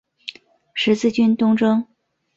十字军东征。